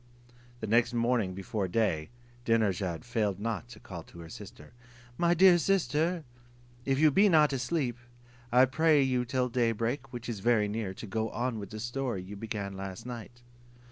The next morning before day, Dinarzade failed not to call to her sister: "My dear sister, if you be not asleep, I pray you till day break, which is very near, to go on with the story you began last night."